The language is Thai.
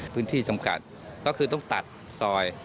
พื้นที่จำกัดก็คือต้องตัดซอย